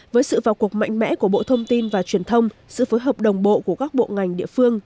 với sự vào cuộc mạnh mẽ của bộ thông tin và truyền thông sự phối hợp đồng bộ của các bộ ngành địa phương